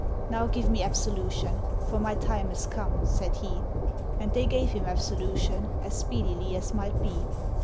'Now give me absolution; for my time is come,' said he. And they gave him absolution, as speedily as might be.